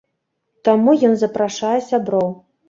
Таму ён запрашае сяброў.